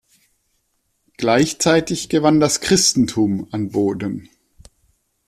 Gleichzeitig gewann das Christentum an Boden.